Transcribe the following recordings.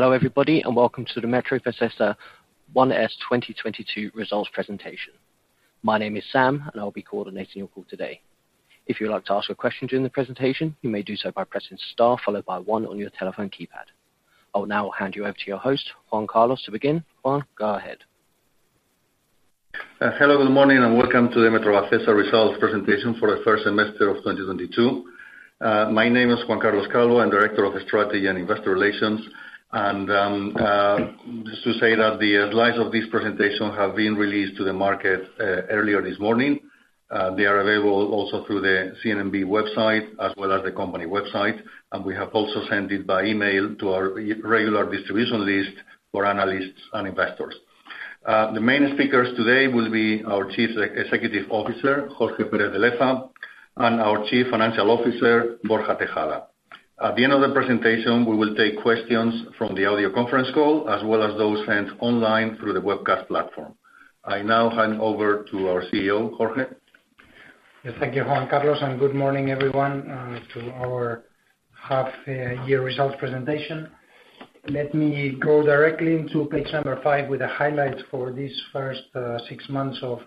Hello everybody, and welcome to the Metrovacesa 1S 2022 results presentation. My name is Sam, and I'll be coordinating your call today. If you'd like to ask a question during the presentation, you may do so by pressing star followed by one on your telephone keypad. I will now hand you over to your host, Juan Carlos, to begin. Juan, go ahead. Hello, good morning, and welcome to the Metrovacesa results presentation for the first semester of 2022. My name is Juan Carlos Calvo. I'm Director of Strategy and Investor Relations. Just to say that the slides of this presentation have been released to the market earlier this morning. They are available also through the CNMV website as well as the company website, and we have also sent it by email to our regular distribution list for analysts and investors. The main speakers today will be our Chief Executive Officer, Jorge Pérez de Leza, and our Chief Financial Officer, Borja Tejada. At the end of the presentation, we will take questions from the audio conference call, as well as those sent online through the webcast platform. I now hand over to our CEO, Jorge. Yes, thank you, Juan Carlos, and good morning, everyone, to our half-year results presentation. Let me go directly to page number five with the highlights for these first six months of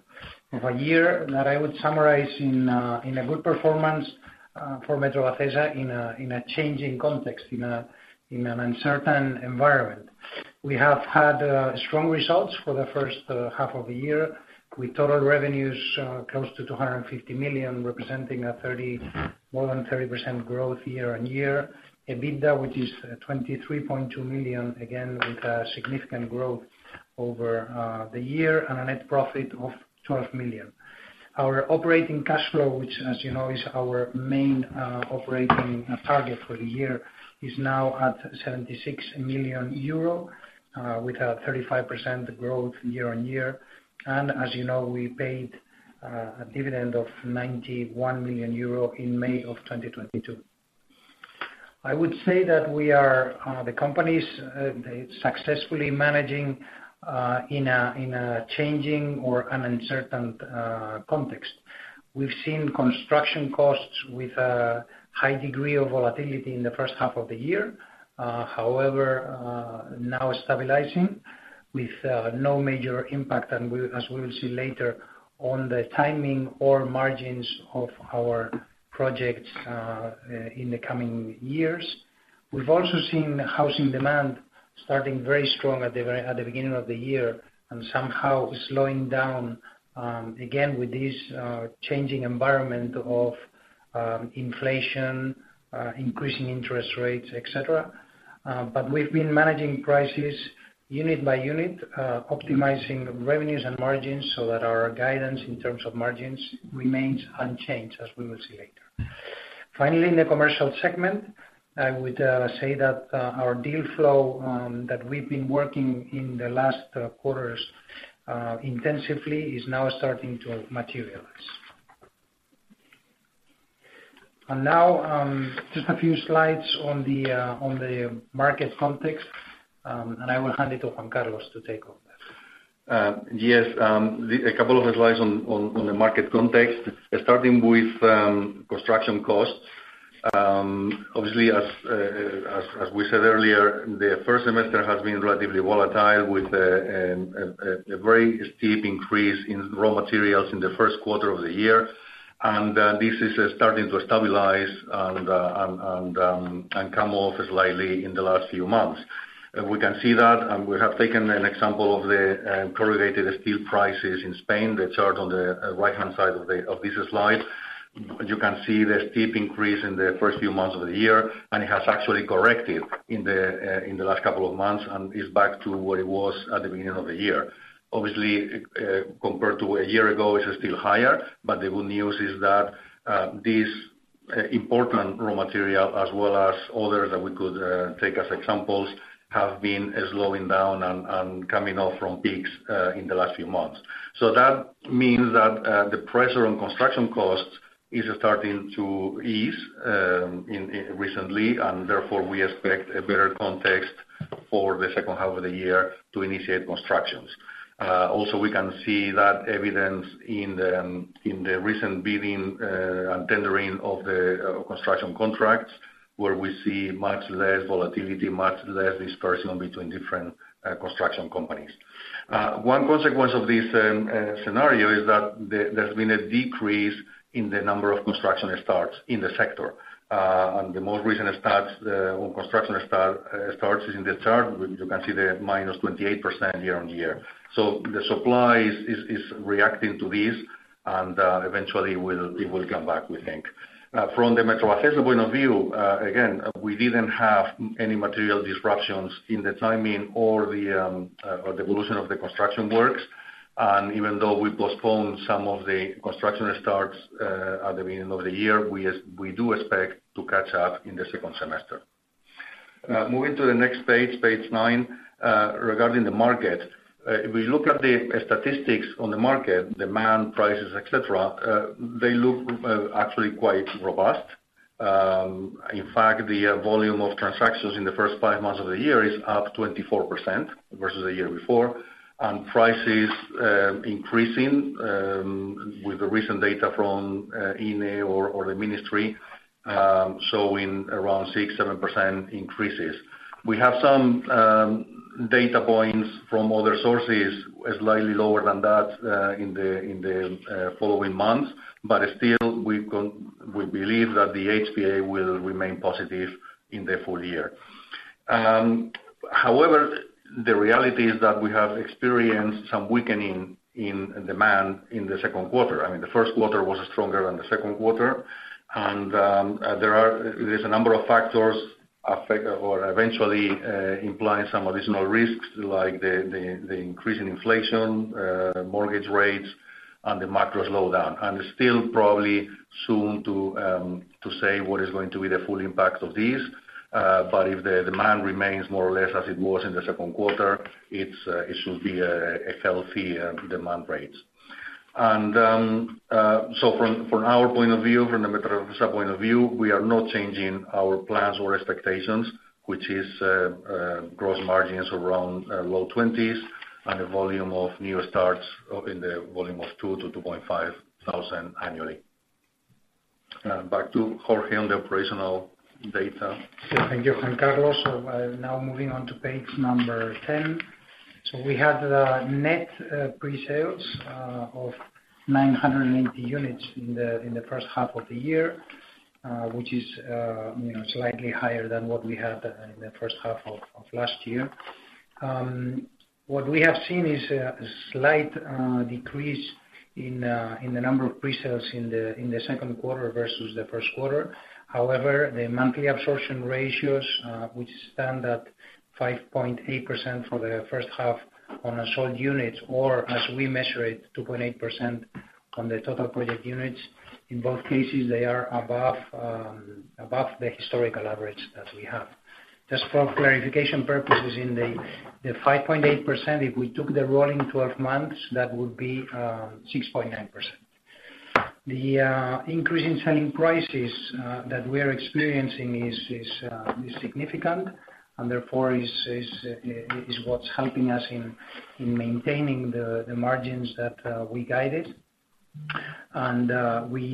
a year that I would summarize in a good performance for Metrovacesa in a changing context, in an uncertain environment. We have had strong results for the first half of the year, with total revenues close to 250 million, representing more than 30% growth year-on-year. EBITDA, which is 23.2 million, again with a significant growth over the year, and a net profit of 12 million. Our operating cash flow, which as you know, is our main operating target for the year, is now at 76 million euro with a 35% growth year-on-year. As you know, we paid a dividend of 91 million euro in May of 2022. I would say that the company is successfully managing in a changing or an uncertain context. We've seen construction costs with a high degree of volatility in the first half of the year, however, now stabilizing with no major impact on the timing or margins of our projects, as we will see later, in the coming years. We've also seen housing demand starting very strong at the beginning of the year and somehow slowing down, again with this changing environment of inflation, increasing interest rates, etc. We've been managing prices unit by unit, optimizing revenues and margins so that our guidance in terms of margins remains unchanged, as we will see later. Finally, in the commercial segment, I would say that our deal flow that we've been working in the last quarters intensively is now starting to materialize. Now, just a few slides on the market context, and I will hand it to Juan Carlos to take over. A couple of slides on the market context, starting with construction costs. Obviously as we said earlier, the first semester has been relatively volatile with a very steep increase in raw materials in the first quarter of the year. This is starting to stabilize and come off slightly in the last few months. We can see that, and we have taken an example of the corrugated steel prices in Spain, the chart on the right-hand side of this slide. You can see the steep increase in the first few months of the year, and it has actually corrected in the last couple of months and is back to where it was at the beginning of the year. Obviously, compared to a year ago, it's still higher, but the good news is that this important raw material, as well as others that we could take as examples, have been slowing down and coming off from peaks in the last few months. That means that the pressure on construction costs is starting to ease in recently, and therefore we expect a better context for the second half of the year to initiate constructions. Also we can see that evidence in the recent bidding and tendering of the construction contracts, where we see much less volatility, much less dispersion between different construction companies. One consequence of this scenario is that there's been a decrease in the number of construction starts in the sector. The most recent construction starts are in the chart. You can see the -28% year-on-year. The supply is reacting to this and eventually it will come back, we think. From the Metrovacesa point of view, again, we didn't have any material disruptions in the timing or the evolution of the construction works. Even though we postponed some of the construction starts at the beginning of the year, we do expect to catch up in the second semester. Moving to the next page nine, regarding the market. If we look at the statistics on the market, demand, prices, etc, they look actually quite robust. In fact, the volume of transactions in the first five months of the year is up 24% versus the year before. Prices increasing with the recent data from INE or the ministry showing around 6%-7% increases. We have some data points from other sources slightly lower than that in the following months. Still, we believe that the HPA will remain positive in the full year. However, the reality is that we have experienced some weakening in demand in the second quarter. I mean, the first quarter was stronger than the second quarter. There's a number of factors affecting or eventually implying some additional risks, like the increase in inflation, mortgage rates and the macro slowdown. It's still probably too soon to say what is going to be the full impact of these. But if the demand remains more or less as it was in the second quarter, it should be a healthy demand rate. So from our point of view, from the Metrovacesa point of view, we are not changing our plans or expectations, which is gross margins around low 20s% and a volume of new starts in the volume of 2-2.5 thousand annually. Back to Jorge on the operational data. Thank you, Juan Carlos. I'm now moving on to page number 10. We have the net presales of 980 units in the first half of the year, which is slightly higher than what we had in the first half of last year. What we have seen is a slight decrease in the number of presales in the second quarter versus the first quarter. However, the monthly absorption ratios, which stand at 5.8% for the first half on sold units, or as we measure it, 2.8% on the total project units. In both cases, they are above the historical average that we have. Just for clarification purposes, in the 5.8%, if we took the rolling 12 months, that would be 6.9%. The increase in selling prices that we are experiencing is what's helping us in maintaining the margins that we guided. We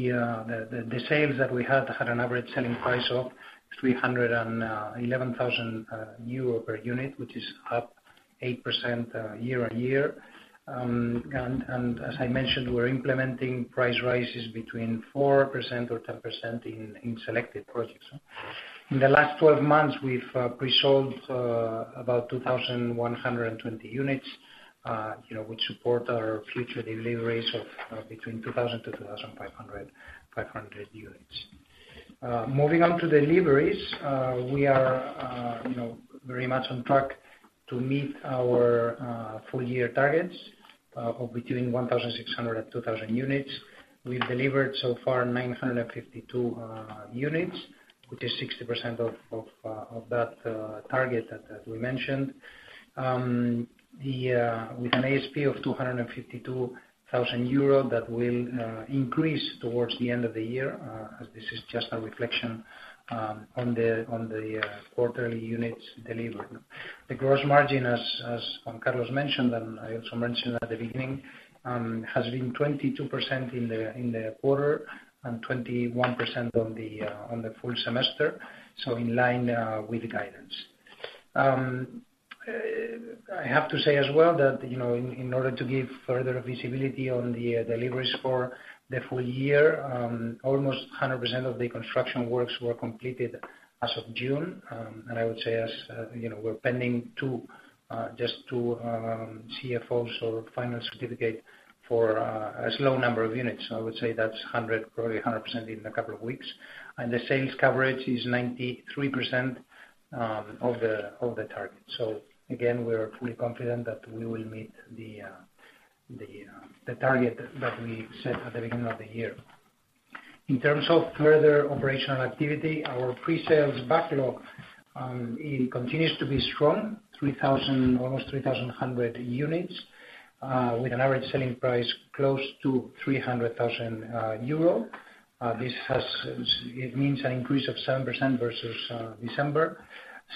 had the sales that we had an average selling price of 311,000 euro per unit, which is up 8% year-on-year. As I mentioned, we're implementing price rises between 4% or 10% in selected projects. In the last 12 months we've presold about 2,100 units, you know, which support our future deliveries of between 2,000-2,500 units. Moving on to deliveries, we are, you know, very much on track to meet our full year targets of between 1,600 and 2,000 units. We've delivered so far 952 units, which is 60% of that target that we mentioned. With an ASP of 252,000 euro, that will increase towards the end of the year as this is just a reflection on the quarterly units delivered. The gross margin as Juan Carlos mentioned, and I also mentioned at the beginning, has been 22% in the quarter and 21% on the full semester, so in line with the guidance. I have to say as well that, you know, in order to give further visibility on the deliveries for the full year, almost 100% of the construction works were completed as of June. I would say, you know, we're pending two, just two, CFOs or final certificate for a small number of units. I would say that's 100, probably 100% in a couple of weeks. The sales coverage is 93% of the target. Again, we are fully confident that we will meet the target that we set at the beginning of the year. In terms of further operational activity, our presales backlog it continues to be strong. Almost 3,100 units with an average selling price close to 300,000 euro. It means an increase of 7% versus December.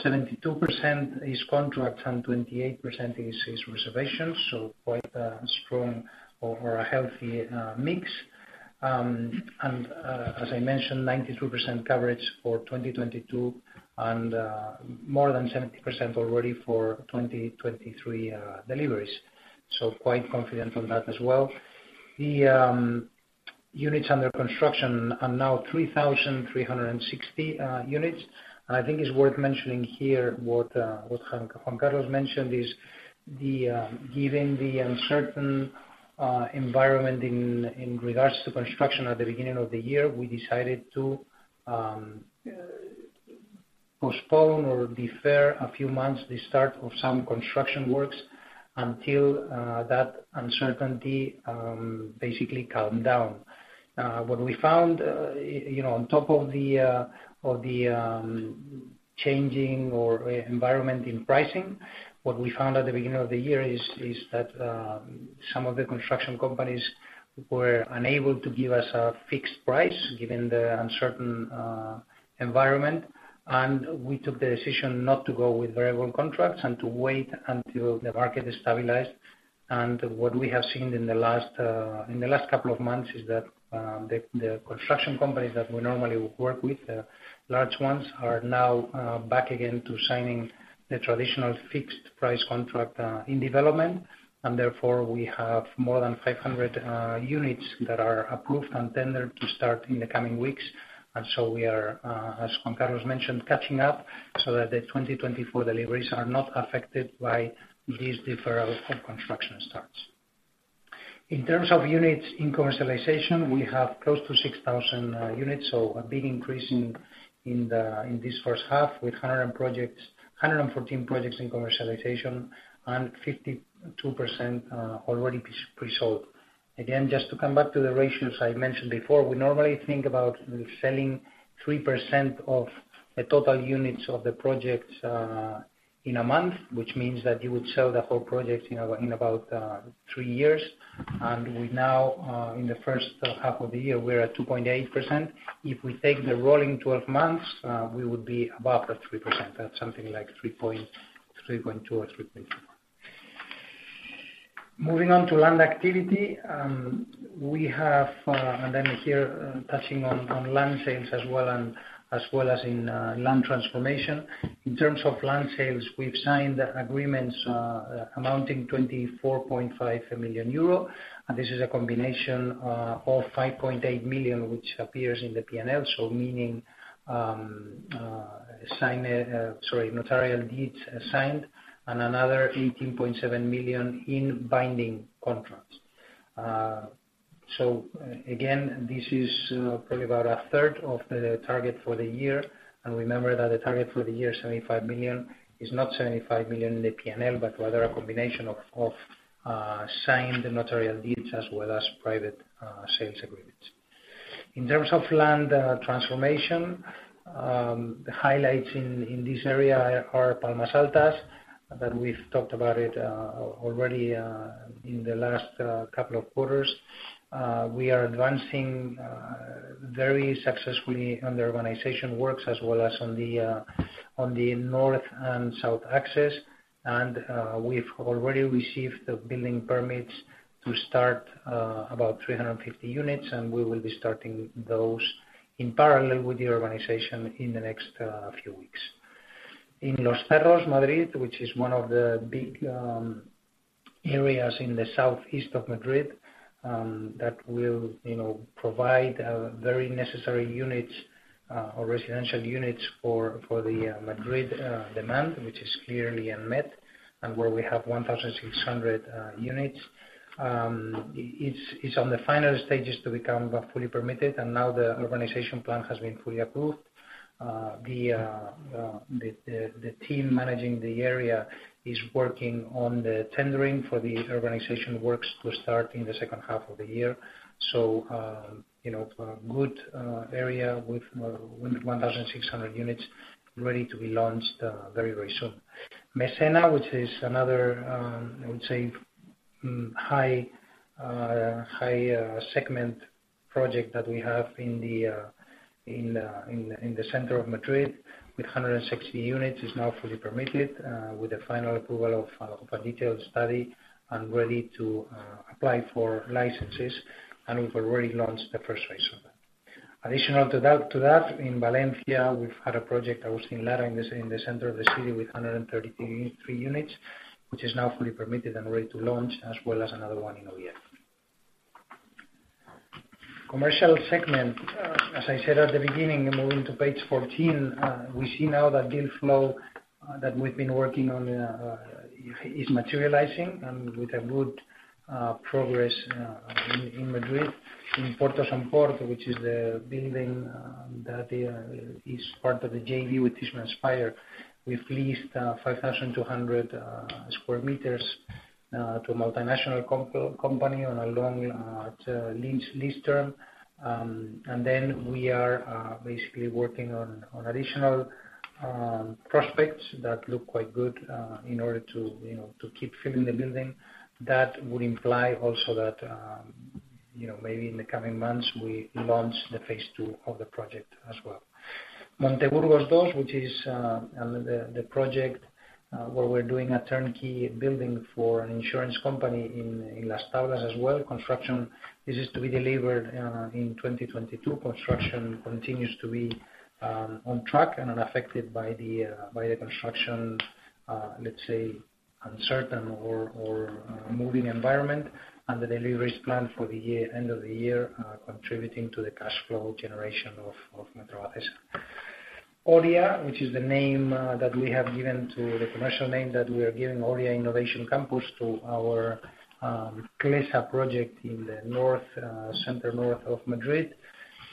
72% is contracts and 28% is reservations, so quite a strong or a healthy mix. As I mentioned, 92% coverage for 2022 and more than 70% already for 2023 deliveries. Quite confident on that as well. The units under construction are now 3,360 units. I think it's worth mentioning here what Juan Carlos mentioned is, given the uncertain environment in regards to construction at the beginning of the year, we decided to postpone or defer a few months the start of some construction works until that uncertainty basically calm down. What we found, you know, on top of the changing environment in pricing, what we found at the beginning of the year is that some of the construction companies were unable to give us a fixed price given the uncertain environment. We took the decision not to go with variable contracts and to wait until the market is stabilized. What we have seen in the last couple of months is that the construction companies that we normally work with, the large ones, are now back again to signing the traditional fixed price contract in development. Therefore, we have more than 500 units that are approved and tendered to start in the coming weeks. We are, as Juan Carlos mentioned, catching up so that the 2024 deliveries are not affected by these deferral of construction starts. In terms of units in commercialization, we have close to 6,000 units. A big increase in this first half, with 114 projects in commercialization and 52% already presold. Again, just to come back to the ratios I mentioned before, we normally think about selling 3% of the total units of the projects in a month, which means that you would sell the whole project in about three years. In the first half of the year, we are at 2.8%. If we take the rolling 12 months, we would be above the 3%. That's something like 3.2 or 3.1. Moving on to land activity, we have, and I'm here touching on land sales as well as land transformation. In terms of land sales, we've signed agreements amounting 24.5 million euro. This is a combination of 5.8 million, which appears in the P&L. Meaning signed notarial deeds and another 18.7 million in binding contracts. Again, this is probably about a 1/3 of the target for the year. Remember that the target for the year, 75 million, is not 75 million in the P&L, but rather a combination of signed notarial deeds as well as private sales agreements. In terms of land transformation, the highlights in this area are Palmas Altas, but we've talked about it already in the last couple of quarters. We are advancing very successfully on the urbanization works as well as on the north and south access. We've already received the building permits to start about 350 units, and we will be starting those in parallel with the urbanization in the next few weeks. In Los Cerros, Madrid, which is one of the big areas in the southeast of Madrid, that will, you know, provide very necessary units or residential units for the Madrid demand, which is clearly unmet and where we have 1,600 units. It's on the final stages to become fully permitted, and now the urbanization plan has been fully approved. The team managing the area is working on the tendering for the urbanization works to start in the second half of the year. You know, a good area with 1,600 units ready to be launched very soon. Mesena, which is another, I would say, high segment project that we have in the center of Madrid with 160 units, is now fully permitted, with the final approval of a detailed study and ready to apply for licenses. We've already launched the first phase of that. Additional to that, in Valencia, we've had a project that was in Agustín Lara, in the center of the city with 133 units, which is now fully permitted and ready to launch, as well as another one in Oria. Commercial segment, as I said at the beginning, moving to page 14, we see now that deal flow that we've been working on is materializing and with a good progress in Madrid. In Puerto de Somport, which is the building that is part of the JV with Tishman Speyer. We've leased 5,200 square meters to a multinational company on a long lease term. We are basically working on additional prospects that look quite good in order to you know to keep filling the building. That would imply also that you know maybe in the coming months we launch the phase two of the project as well. Monteburgos, which is the project where we're doing a turnkey building for an insurance company in Las Tablas as well. Construction is just to be delivered in 2022. Construction continues to be on track and unaffected by the uncertain or moving environment. The delivery is planned for the end of the year, contributing to the cash flow generation of Metrovacesa. Oria, which is the name that we have given to the commercial name that we are giving Oria Innovation Campus to our Clesa project in the north center north of Madrid.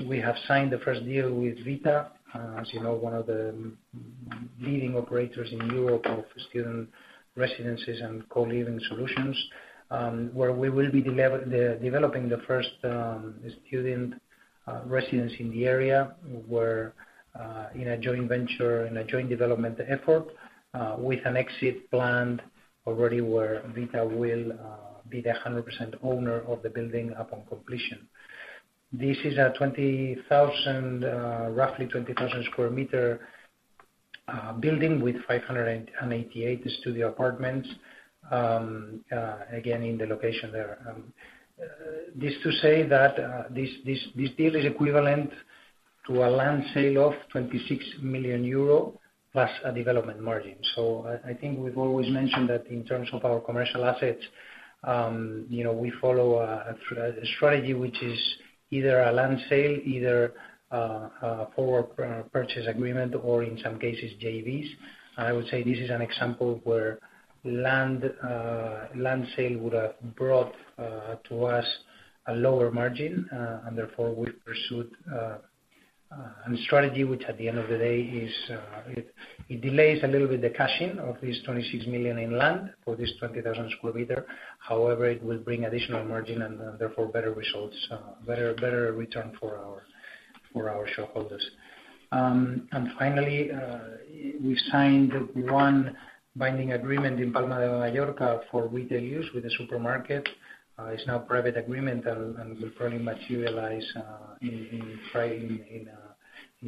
We have signed the first deal with Vita, as you know, one of the leading operators in Europe of student residences and co-living solutions, where we will be developing the first student residence in the area. We're in a joint venture and a joint development effort, with an exit planned already where Vita will be the 100% owner of the building upon completion. This is a roughly 20,000 square meter building with 588 studio apartments, again, in the location there. This is to say that this deal is equivalent to a land sale of 26 million euro plus a development margin. I think we've always mentioned that in terms of our commercial assets, you know, we follow a strategy which is either a land sale, either a forward purchase agreement, or in some cases JVs. I would say this is an example where land sale would have brought to us a lower margin, and therefore we've pursued a strategy which at the end of the day is, it delays a little bit the cashing of this 26 million in land for this 20,000 square meter. However, it will bring additional margin and therefore better results, better return for our shareholders. Finally, we signed one binding agreement in Palma de Mallorca for retail use with a supermarket. It's now private agreement and will probably materialize in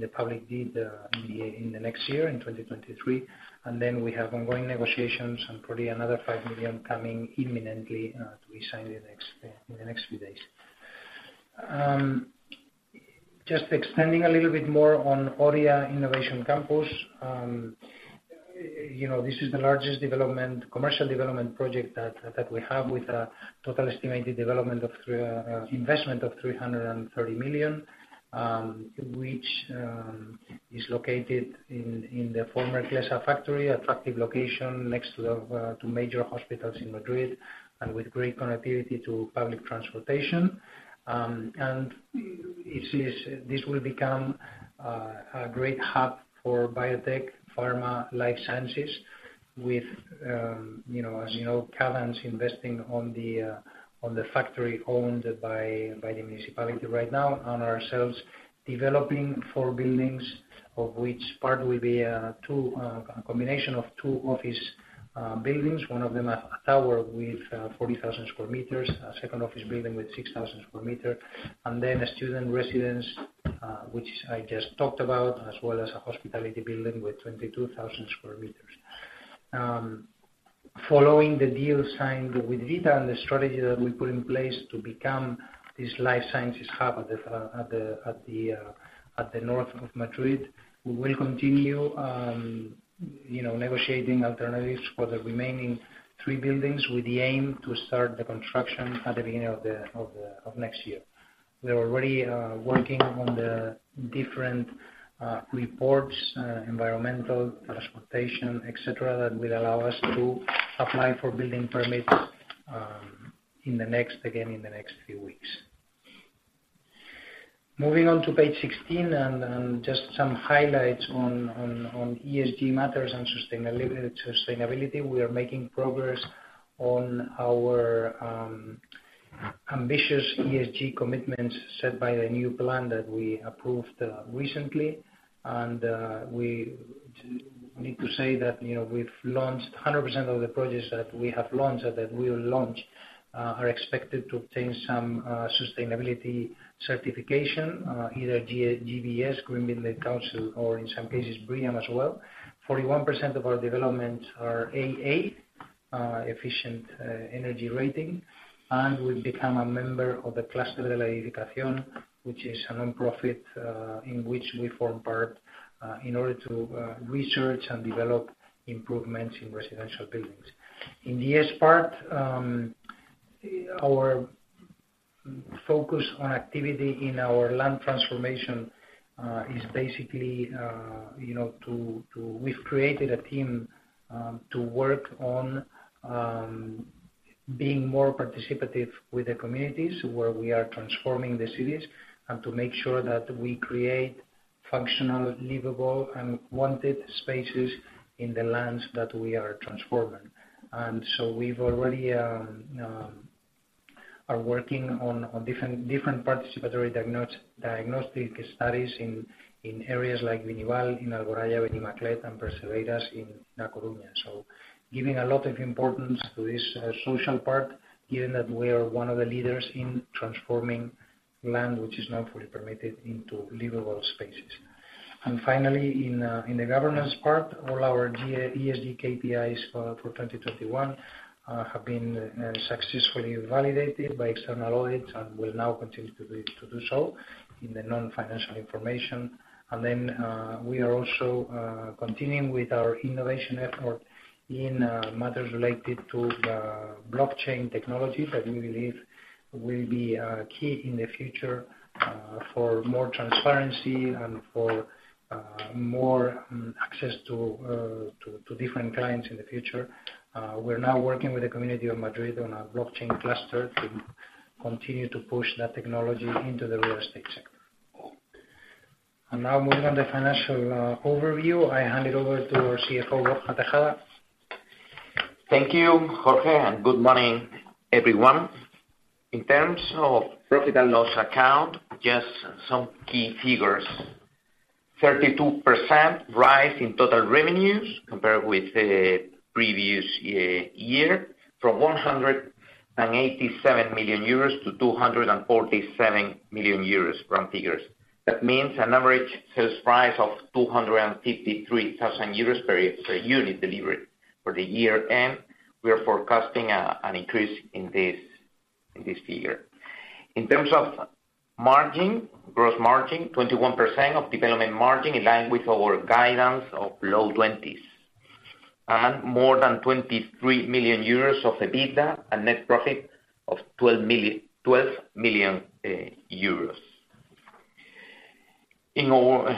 the public deed in the next year, in 2023. Then we have ongoing negotiations and probably another 5 million coming imminently to be signed in the next few days. Just expanding a little bit more on Oria Innovation Campus. You know, this is the largest commercial development project that we have with a total estimated investment of 330 million, which is located in the former Clesa factory, attractive location next to the two major hospitals in Madrid and with great connectivity to public transportation. This will become a great hub for biotech, pharma, life sciences with, you know, as you know, Cadence investing on the factory owned by the municipality right now. Ourselves developing four buildings, of which part will be two, a combination of two office buildings. One of them a tower with 40,000 square meters, a second office building with 6,000 square meters, and then a student residence which I just talked about, as well as a hospitality building with 22,000 square meters. Following the deal signed with Vita and the strategy that we put in place to become this life sciences hub at the north of Madrid, we will continue, you know, negotiating alternatives for the remaining three buildings with the aim to start the construction at the beginning of next year. We are already working on the different reports, environmental, transportation, etc, that will allow us to apply for building permits in the next few weeks. Moving on to page 16 and just some highlights on ESG matters and sustainability. We are making progress on our ambitious ESG commitments set by the new plan that we approved recently. We need to say that, you know, we've launched 100% of the projects that we have launched, that we will launch, are expected to obtain some sustainability certification, either GBC, Green Building Council, or in some cases BREEAM as well. 41% of our developments are AA efficient energy rating. We've become a member of the Clúster de la Edificación, which is a nonprofit in which we form part, in order to research and develop improvements in residential buildings. In the ESG part, our focus on activity in our land transformation is basically, you know, to. We've created a team to work on being more participative with the communities where we are transforming the cities and to make sure that we create functional, livable, and wanted spaces in the lands that we are transforming. We've already are working on different participatory diagnostic studies in areas like Vinival in Alboraya, Benimaclet, and Perillo-Severa in A Coruña. Giving a lot of importance to this social part, given that we are one of the leaders in transforming land which is not fully permitted into livable spaces. Finally, in the governance part, all our GA, ESG KPIs for 2021 have been successfully validated by external audit and will now continue to do so in the non-financial information. We are also continuing with our innovation effort in matters related to the blockchain technology that we believe will be key in the future for more transparency and for more access to different clients in the future. We're now working with the Community of Madrid on a blockchain cluster to continue to push that technology into the real estate sector. Moving on to the financial overview, I hand it over to our CFO, Borja Tejada. Thank you, Jorge, and good morning, everyone. In terms of profit and loss account, just some key figures. 32% rise in total revenues compared with the previous year, from 187 million-247 million euros round figures. That means an average sales price of 253,000 euros per unit delivered for the year. We are forecasting an increase in this figure. In terms of margin, gross margin, 21% of development margin, in line with our guidance of low 20s. More than 23 million euros of EBITDA and net profit of 12 million euros. In our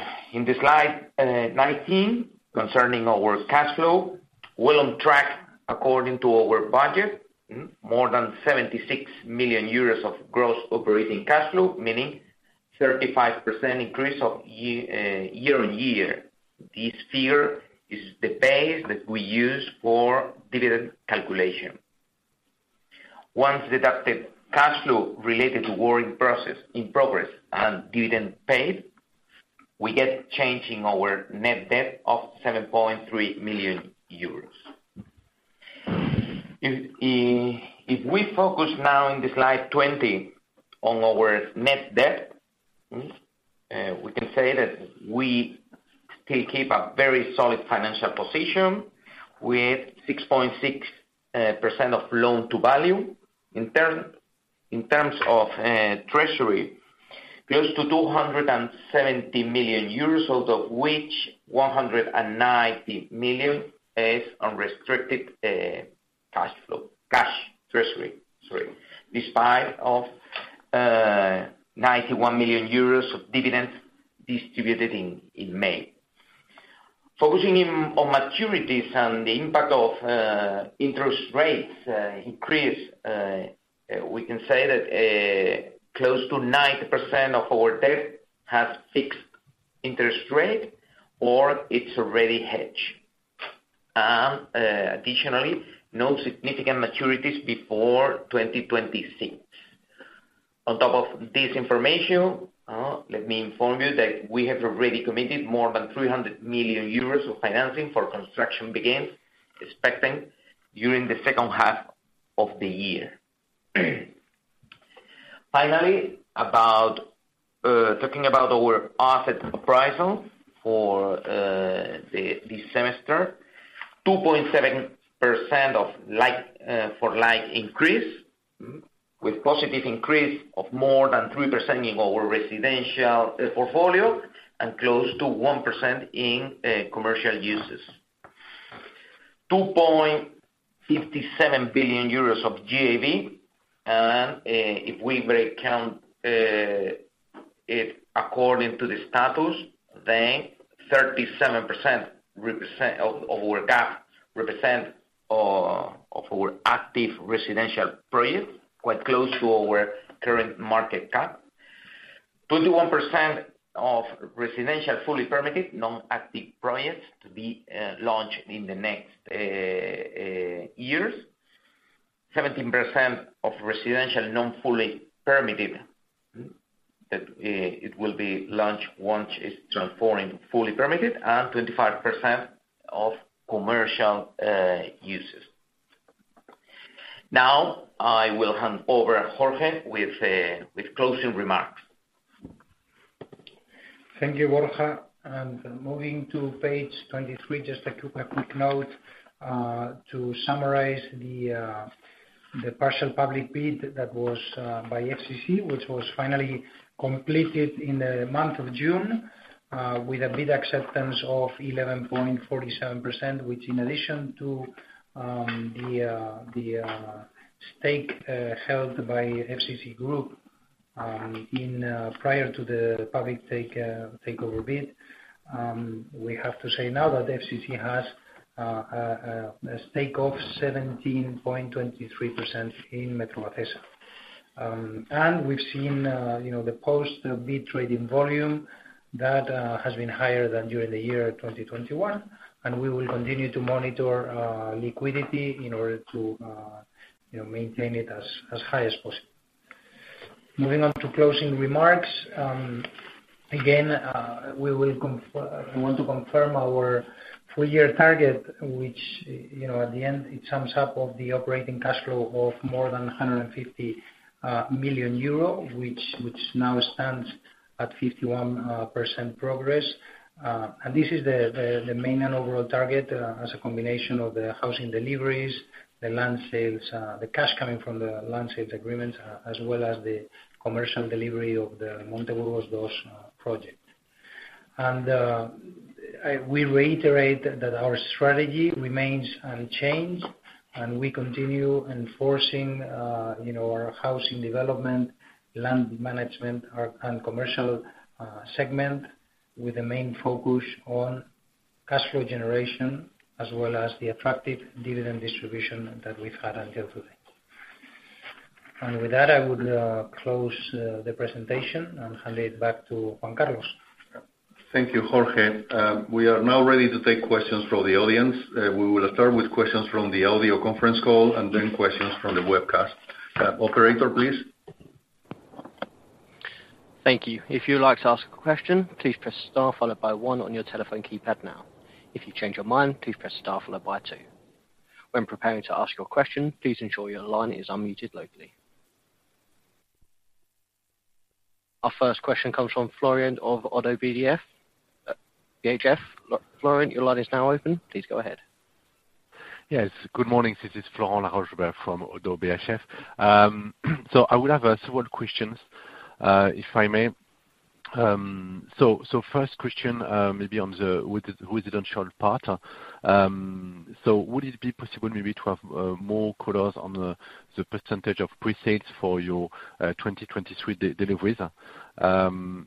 slide 19, concerning our cash flow, well on track according to our budget. More than 76 million euros of gross operating cash flow, meaning 35% increase year on year. This figure is the base that we use for dividend calculation. Once deducted cash flow related to work in progress and dividend paid, we get change in our net debt of 7.3 million euros. If we focus now on slide 20 on our net debt, we can say that we still keep a very solid financial position with 6.6% loan to value. In terms of treasury, close to 270 million euros, out of which 190 million is unrestricted cash treasury, sorry, despite 91 million euros of dividends distributed in May. Focusing on maturities and the impact of interest rates increase, we can say that close to 90% of our debt has fixed interest rate or it's already hedged. Additionally, no significant maturities before 2026. On top of this information, let me inform you that we have already committed more than 300 million euros of financing for construction begins, expecting during the second half of the year. Finally, talking about our asset appraisal for the semester, 2.7% like-for-like increase, with positive increase of more than 3% in our residential portfolio and close to 1% in commercial uses. 2.57 billion euros of GAV. If we break it down according to the status, then 37% of our GAV represent our active residential projects, quite close to our current market cap. 21% of residential fully permitted non-active projects to be launched in the next years. 17% of residential non-fully permitted, that it will be launched once it's transformed fully permitted, and 25% of commercial uses. Now I will hand over to Jorge Pérez de Leza with closing remarks. Thank you, Borja. Moving to page 23, just a quick note to summarize the partial public bid that was by FCC, which was finally completed in the month of June with a bid acceptance of 11.47%, which in addition to the stake held by FCC Group prior to the public takeover bid, we have to say now that FCC has a stake of 17.23% in Metrovacesa. We've seen, you know, the post-bid trading volume that has been higher than during 2021, and we will continue to monitor liquidity in order to, you know, maintain it as high as possible. Moving on to closing remarks. Again, we want to confirm our full year target, which, you know, at the end, it sums up of the operating cash flow of more than 150 million euro, which now stands at 51% progress. This is the main and overall target as a combination of the housing deliveries, the land sales, the cash coming from the land sales agreements, as well as the commercial delivery of the Monteburgos project. We reiterate that our strategy remains unchanged and we continue enforcing, you know, our housing development, land management and commercial segment with the main focus on cash flow generation, as well as the attractive dividend distribution that we've had until today. With that, I would close the presentation and hand it back to Juan Carlos. Thank you, Jorge. We are now ready to take questions from the audience. We will start with questions from the audio conference call and then questions from the webcast. Operator, please. Thank you. If you'd like to ask a question, please press star followed by one on your telephone keypad now. If you change your mind, please press star followed by two. When preparing to ask your question, please ensure your line is unmuted locally. Our first question comes from Florent Laroche-Joubert of Oddo BHF. Florent, your line is now open. Please go ahead. Yes. Good morning. This is Florent Laroche-Joubert from Oddo BHF. So I would have several questions, if I may. So first question, maybe on the residential part. So would it be possible maybe to have more colors on the percentage of presales for your 2023 deliveries?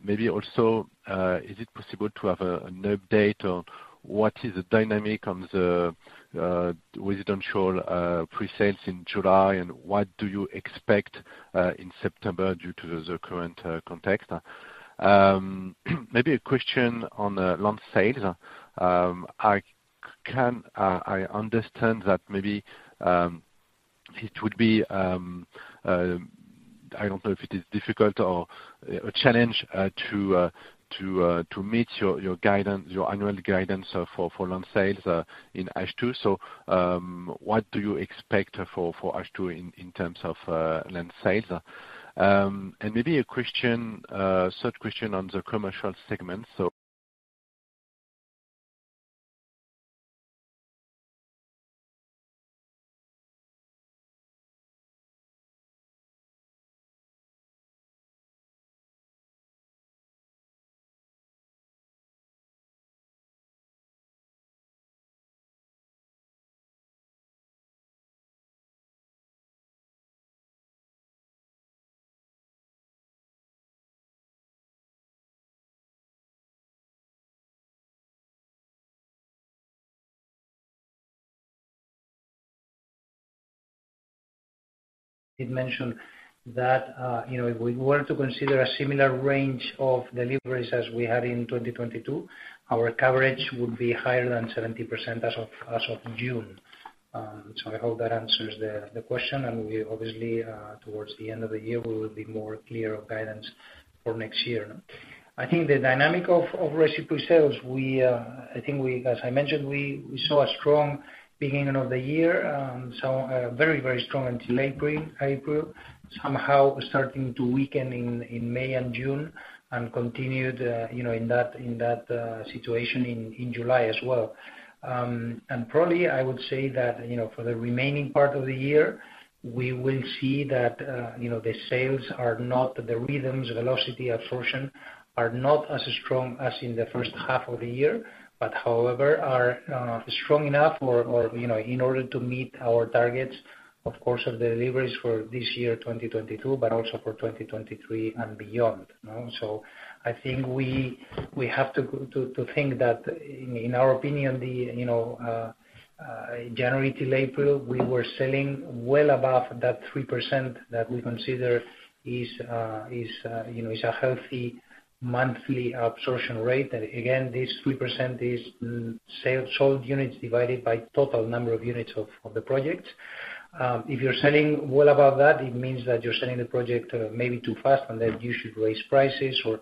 Maybe also, is it possible to have an update on what is the dynamic on the residential presales in July, and what do you expect in September due to the current context? Maybe a question on the land sales. I understand that maybe it would be, I don't know if it is difficult or a challenge to meet your guidance, your annual guidance for land sales in H2. What do you expect for H2 in terms of land sales? Maybe a third question on the commercial segment. did mention that, you know, if we were to consider a similar range of deliveries as we had in 2022, our coverage would be higher than 70% as of June. I hope that answers the question, and we obviously, towards the end of the year, we will be more clear of guidance for next year. I think the dynamic of residential sales, as I mentioned, we saw a strong beginning of the year, very strong until April. April somehow starting to weaken in May and June and continued in that situation in July as well. Probably I would say that, you know, for the remaining part of the year, we will see that the sales are not at the rhythm, velocity of absorption are not as strong as in the first half of the year, but however, are strong enough or, you know, in order to meet our targets, of course, of deliveries for this year, 2022, but also for 2023 and beyond. I think we have to think that in our opinion, January till April, we were selling well above that 3% that we consider is a healthy monthly absorption rate. Again, this 3% is sales, sold units divided by total number of units of the project. If you're selling well above that, it means that you're selling the project maybe too fast and that you should raise prices or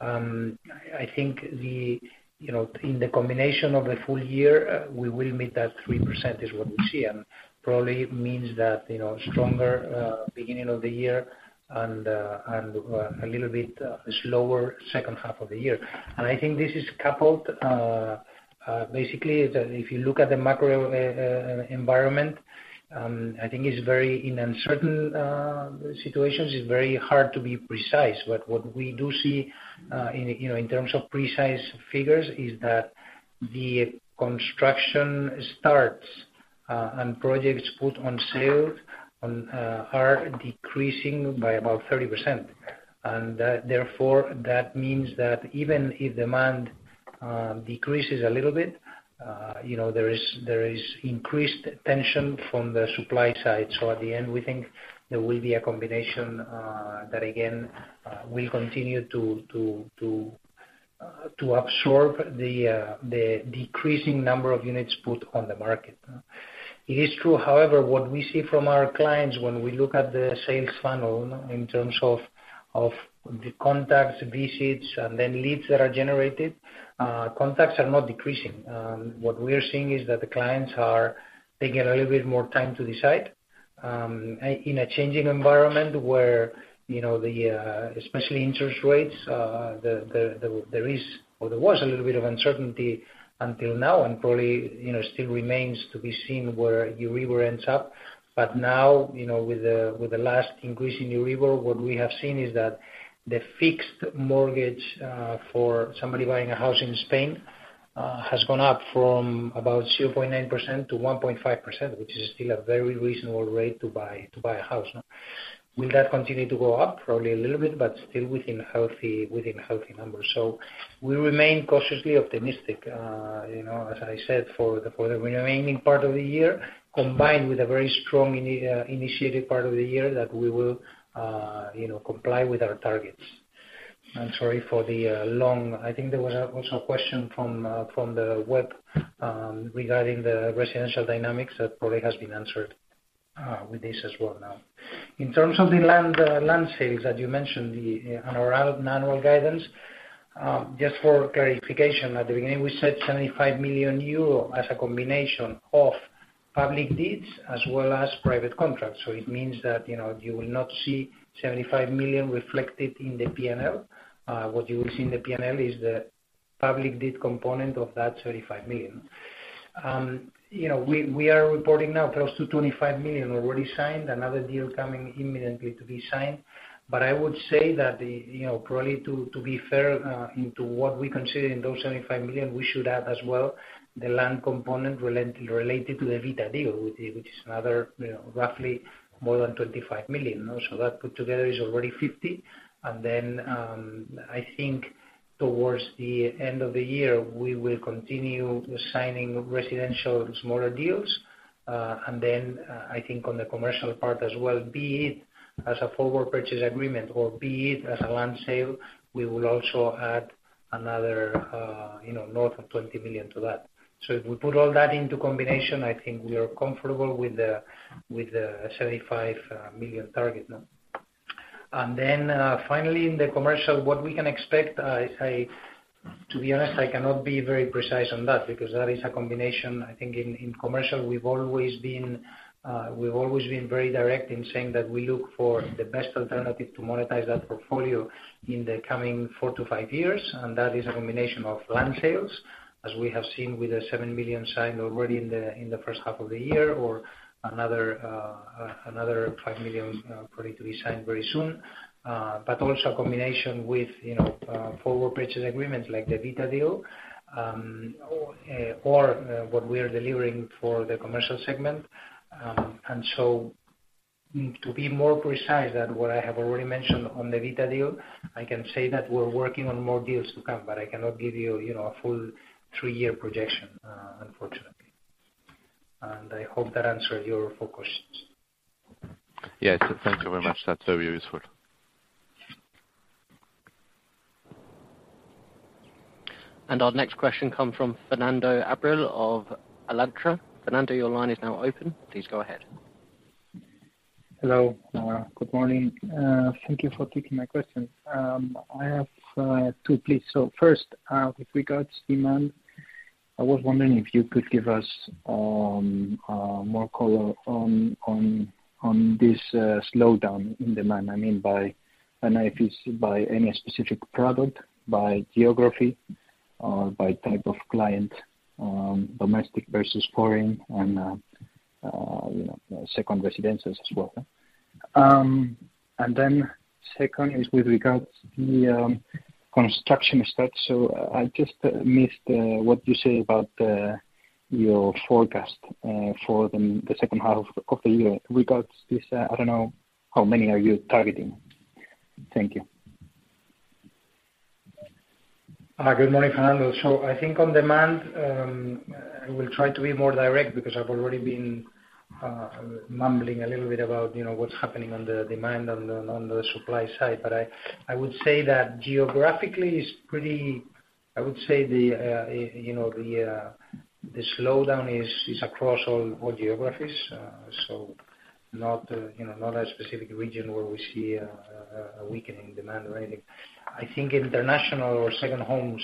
I think, you know, in the combination of the full year, we will meet that 3% is what we see, and probably means that, you know, stronger beginning of the year and a little bit slower second half of the year. I think this is coupled basically that if you look at the macro environment, I think it's very uncertain situations, it's very hard to be precise. What we do see, you know, in terms of precise figures is that the construction starts and projects put on sale are decreasing by about 30%. That therefore means that even if demand decreases a little bit, you know, there is increased tension from the supply side. At the end, we think there will be a combination that again will continue to absorb the decreasing number of units put on the market. It is true, however, what we see from our clients when we look at the sales funnel in terms of the contacts, visits, and then leads that are generated, contacts are not decreasing. What we are seeing is that the clients are taking a little bit more time to decide in a changing environment where, you know, especially interest rates, there is or there was a little bit of uncertainty until now and probably, you know, still remains to be seen where Euribor ends up. Now, you know, with the last increase in Euribor, what we have seen is that the fixed mortgage for somebody buying a house in Spain has gone up from about 0.9%-1.5%, which is still a very reasonable rate to buy a house. Will that continue to go up? Probably a little bit, but still within healthy numbers. We remain cautiously optimistic, you know, as I said, for the remaining part of the year, combined with a very strong initiated part of the year, that we will, you know, comply with our targets. I'm sorry for the long. I think there was a question from the web regarding the residential dynamics that probably has been answered with this as well now. In terms of the land sales that you mentioned, the annual guidance, just for clarification, at the beginning, we said 75 million euro as a combination of public deeds as well as private contracts. It means that, you know, you will not see 75 million reflected in the P&L. What you will see in the P&L is the public deed component of that 75 million. You know, we are reporting now close to 25 million already signed, another deal coming imminently to be signed. I would say that the, you know, probably to be fair, into what we consider in those 75 million, we should add as well the land component related to the Vita deal, which is another, you know, roughly more than 25 million. That put together is already 50 million. Then, I think towards the end of the year, we will continue signing residential smaller deals. Then, I think on the commercial part as well, be it as a forward purchase agreement or be it as a land sale, we will also add another, you know, north of 20 million to that. If we put all that into combination, I think we are comfortable with theEUR 75 million target, no? Then finally, in the commercial, what we can expect, to be honest, I cannot be very precise on that because that is a combination. I think in commercial, we've always been very direct in saying that we look for the best alternative to monetize that portfolio in the coming four to five years, and that is a combination of land sales, as we have seen with the 7 million signed already in the first half of the year or another 5 million probably to be signed very soon. Also a combination with, you know, forward purchase agreements like the Vita deal, or what we are delivering for the commercial segment. To be more precise than what I have already mentioned on the Vita deal, I can say that we're working on more deals to come, but I cannot give you know, a full three-year projection, unfortunately. I hope that answered your four questions. Yes. Thank you very much. That's very useful. Our next question comes from Fernando Abril-Martorell of Alantra. Fernando, your line is now open. Please go ahead. Hello. Good morning. Thank you for taking my question. I have two, please. First, with regards demand, I was wondering if you could give us more color on this slowdown in demand. I mean, do you know if it's by any specific product, by geography, by type of client, domestic versus foreign, and you know, second residences as well. Second is with regards the construction stats. I just missed what you said about your forecast for the second half of the year regarding this. I don't know how many are you targeting. Thank you. Good morning, Fernando. I think on demand, I will try to be more direct because I've already been mumbling a little bit about, you know, what's happening on the demand on the supply side. I would say that geographically it's pretty. I would say you know, the slowdown is across all geographies. Not a specific region where we see a weakening demand or anything. I think international or second homes,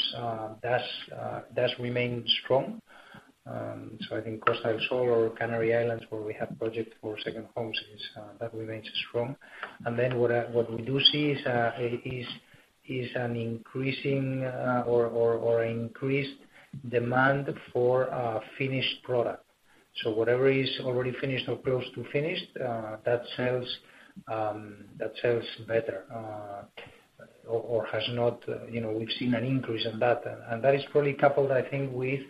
that's remained strong. I think Costa del Sol or Canary Islands, where we have projects for second homes is that remains strong. Then what we do see is an increasing or increased demand for a finished product. Whatever is already finished or close to finished that sells better, or has not, you know, we've seen an increase in that. That is probably coupled, I think, with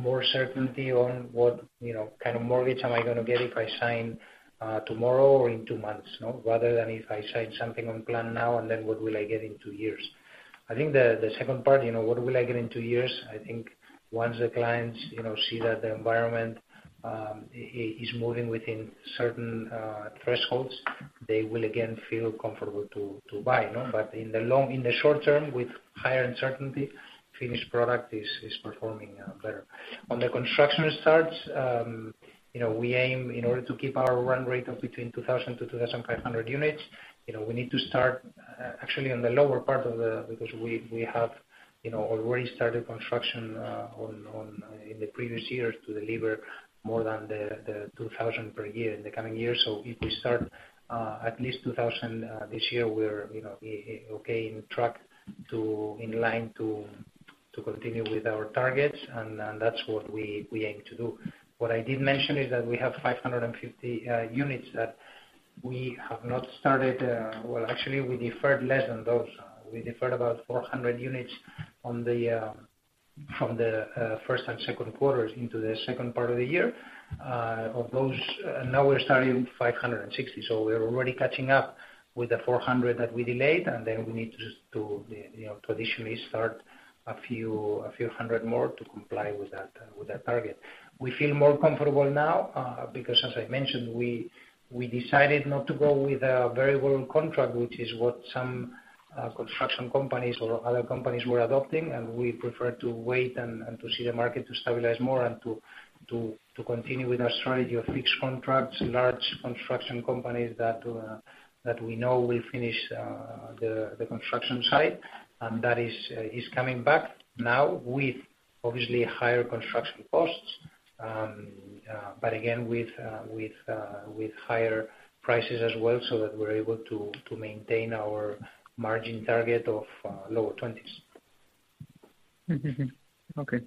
more certainty on what, you know, kind of mortgage am I gonna get if I sign tomorrow or in two months, no? Rather than if I sign something on plan now, and then what will I get in two years. I think the second part, you know, what will I get in two years, I think once the clients, you know, see that the environment is moving within certain thresholds, they will again feel comfortable to buy, no? In the short term, with higher uncertainty, finished product is performing better. On the construction starts, you know, we aim in order to keep our run rate of between 2,000 units-2,500 units, you know, we need to start actually on the lower part of the because we have already started construction on in the previous years to deliver more than the 2,000 per year in the coming years. If we start at least 2,000 this year, we're, you know, okay on track to in line to continue with our targets. That's what we aim to do. What I didn't mention is that we have 550 units that we have not started. Well, actually we deferred less than those. We deferred about 400 units from the first and second quarters into the second part of the year. Of those, now we're starting 560. We're already catching up with the 400 that we delayed, and then we need just to, you know, traditionally start a few hundred more to comply with that target. We feel more comfortable now, because as I mentioned, we decided not to go with a variable contract, which is what some construction companies or other companies were adopting, and we prefer to wait and to see the market to stabilize more and to continue with our strategy of fixed contracts, large construction companies that we know will finish the construction site. That is coming back now with obviously higher construction costs. Again, with higher prices as well, so that we're able to maintain our margin target of lower 20s%. Mm-hmm. Okay,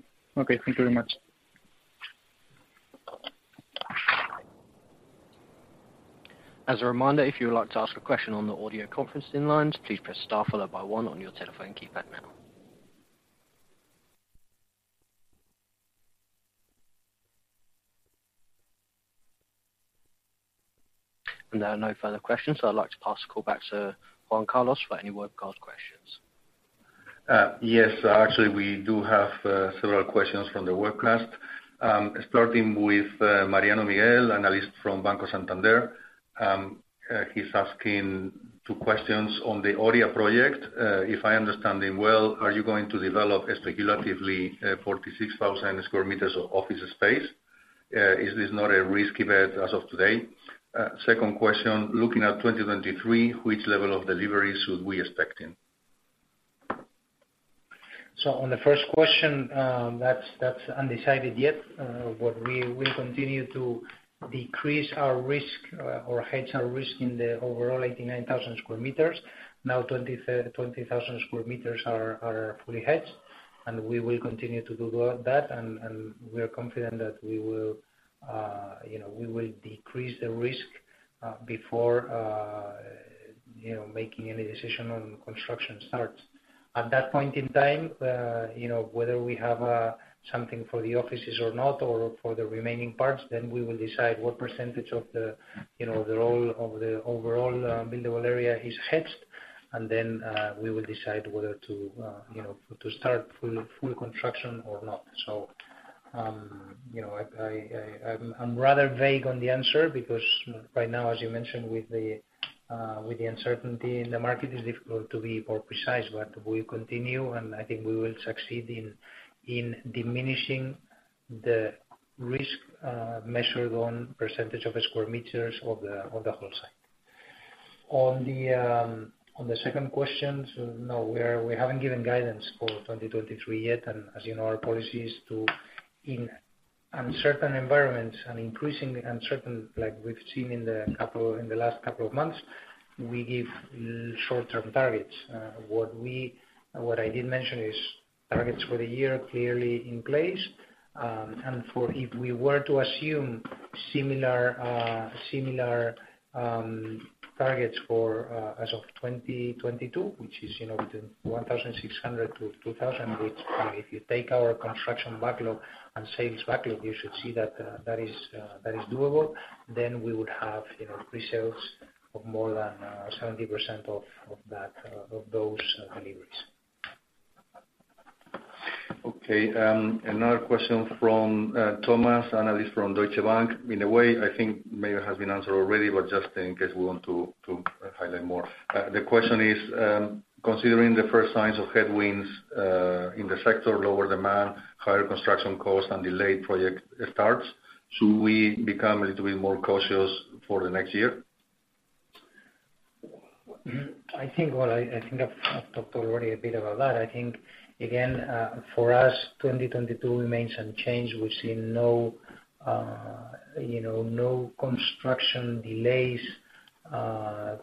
thank you very much. As a reminder, if you would like to ask a question on the audio conference in line, please press star followed by one on your telephone keypad now. There are no further questions, so I'd like to pass the call back to Juan Carlos for any webcast questions. Yes. Actually, we do have several questions from the webcast, starting with Mariano Miguel, Analyst from Banco Santander. He's asking two questions on the Oria project. If I understand him well, are you going to develop speculatively 46,000 sq m of office space? Is this not a risky bet as of today? Second question, looking at 2023, which level of deliveries should we expecting? On the first question, that's undecided yet. What we will continue to decrease our risk or hedge our risk in the overall 89,000 sq m. Now 20,000 sq m are fully hedged, and we will continue to do that. We are confident that we will, you know, decrease the risk before, you know, making any decision on construction starts. At that point in time, you know, whether we have something for the offices or not, or for the remaining parts, then we will decide what percentage of the, you know, the role of the overall buildable area is hedged. Then we will decide whether to, you know, start full construction or not. You know, I'm rather vague on the answer because right now, as you mentioned with the uncertainty in the market, it's difficult to be more precise. We continue, and I think we will succeed in diminishing the risk measured on percentage of square meters of the whole site. On the second question, no, we haven't given guidance for 2023 yet. As you know, our policy is to in uncertain environments and increasingly uncertain like we've seen in the last couple of months, we give short-term targets. What I did mention is targets for the year are clearly in place. If we were to assume similar targets as of 2022, which is, you know, between 1,600-2,000, which, if you take our construction backlog and sales backlog, you should see that that is doable. Then we would have, you know, pre-sales of more than 70% of those deliveries. Okay. Another question from Thomas Rothaeusler, Analyst from Deutsche Bank. In a way, I think maybe has been answered already, but just in case we want to highlight more. The question is, considering the first signs of headwinds in the sector, lower demand, higher construction costs and delayed project starts, should we become a little bit more cautious for the next year? I think I've talked already a bit about that. I think again, for us, 2022 remains unchanged. We've seen no, you know, construction delays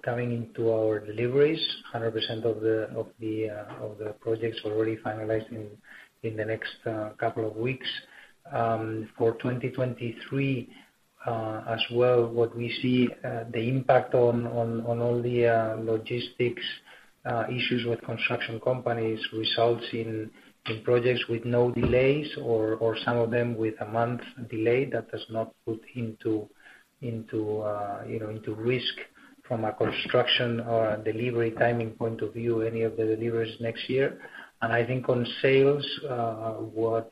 coming into our deliveries. 100% of the projects already finalized in the next couple of weeks. For 2023, as well, what we see, the impact on all the logistics issues with construction companies results in projects with no delays or some of them with a month delay. That does not put into, you know, risk from a construction or a delivery timing point of view, any of the deliveries next year. I think on sales, I would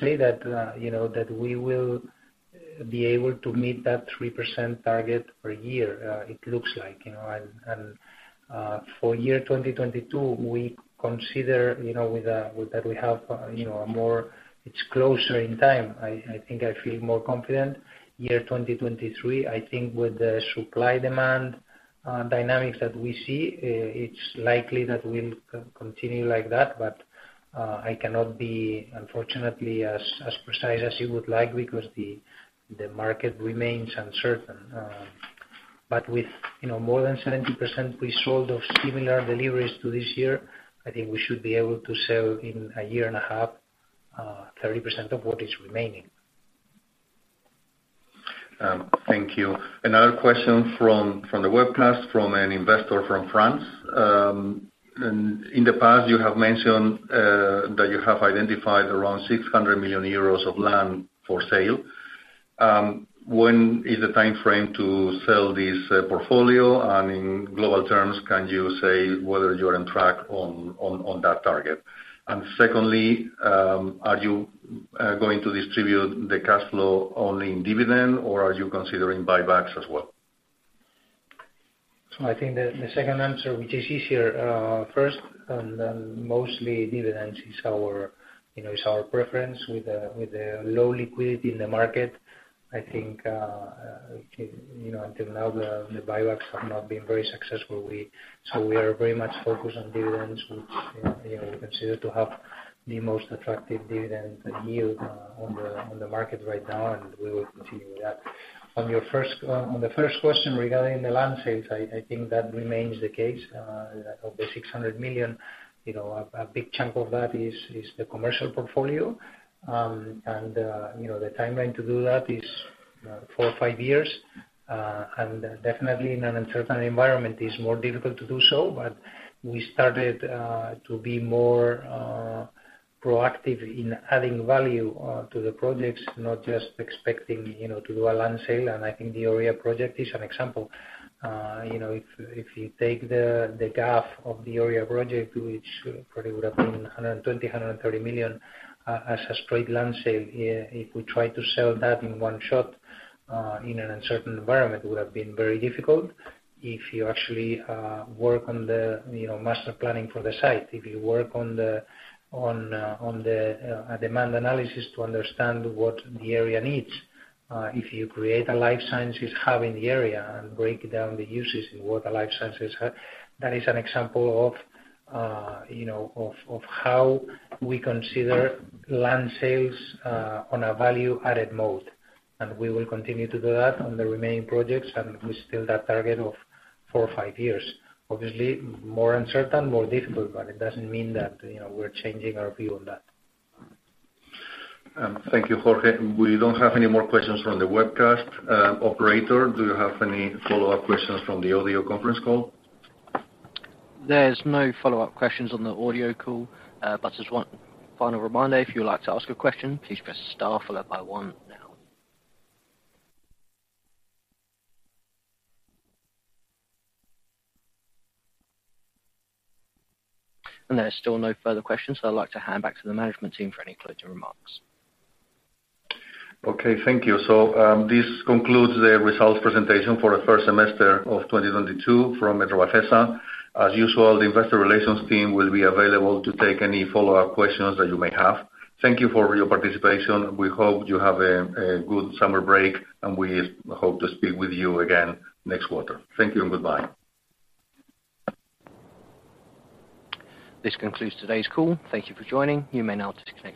say that, you know, that we will be able to meet that 3% target per year, it looks like, you know. For 2022, we consider, you know, with that we have, you know, a more. It's closer in time. I think I feel more confident. For 2023, I think with the supply-demand dynamics that we see, it's likely that we'll continue like that. I cannot be unfortunately as precise as you would like because the market remains uncertain. But with, you know, more than 70% pre-sold of similar deliveries to this year, I think we should be able to sell in a year and a half, 30% of what is remaining. Thank you. Another question from the webcast from an investor from France. In the past, you have mentioned that you have identified around 600 million euros of land for sale. When is the timeframe to sell this portfolio, and in global terms, can you say whether you're on track on that target, and secondly, are you going to distribute the cash flow only in dividend, or are you considering buybacks as well? I think the second answer, which is easier, first. Mostly dividends is our preference with the low liquidity in the market. I think, you know, until now the buybacks have not been very successful. We are very much focused on dividends, which, you know, we consider to have the most attractive dividend yield on the market right now, and we will continue with that. On the first question regarding the land sales, I think that remains the case, that of the 600 million, you know, a big chunk of that is the commercial portfolio. The timeline to do that is four or five years. Definitely in an uncertain environment is more difficult to do so, but we started to be more proactive in adding value to the projects, not just expecting, you know, to do a land sale. I think the Oria project is an example. You know, if you take the gap of the Oria project, which probably would have been 120-130 million as a straight land sale, if we try to sell that in one shot in an uncertain environment, it would have been very difficult. If you actually work on the, you know, master planning for the site, if you work on the demand analysis to understand what the area needs, if you create a life sciences hub in the area and break down the uses in what the life sciences have, that is an example of, you know, how we consider land sales on a value-added mode. We will continue to do that on the remaining projects, and we still have that target of four or five years. Obviously, more uncertain, more difficult, but it doesn't mean that, you know, we're changing our view on that. Thank you, Jorge. We don't have any more questions from the webcast. Operator, do you have any follow-up questions from the audio conference call? There's no follow-up questions on the audio call. But just one final reminder, if you'd like to ask a question, please press star followed by one now. There's still no further questions, so I'd like to hand back to the management team for any closing remarks. Okay, thank you. This concludes the results presentation for the first semester of 2022 from Metrovacesa. As usual, the investor relations team will be available to take any follow-up questions that you may have. Thank you for your participation. We hope you have a good summer break, and we hope to speak with you again next quarter. Thank you and goodbye. This concludes today's call. Thank you for joining. You may now disconnect.